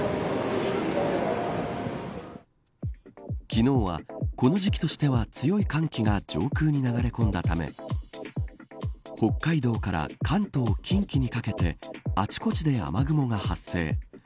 昨日は、この時期としては強い寒気が上空に流れ込んだため北海道から関東近畿にかけてあちこちで雨雲が発生。